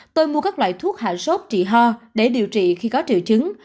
tôi mua các loại thuốc hạ sốt trị ho để điều trị khi có triệu chứng